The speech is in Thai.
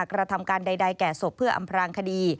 กระทำการใดแก่ศพเพื่ออำพรางคดี